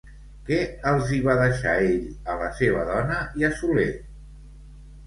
Què els hi va deixar ell a la seva dona i a Soler?